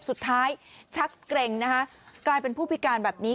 ชักเกร็งนะคะกลายเป็นผู้พิการแบบนี้